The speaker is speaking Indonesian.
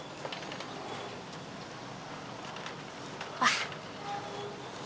boleh kasih mbak